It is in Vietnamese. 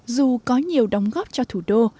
dù có nhiều đóng góp cho thủ đô